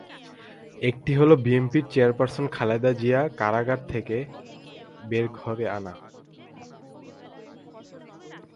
একটি হলো বিএনপির চেয়ারপারসন খালেদা জিয়াকে কারাগার থেকে বের করে আনা।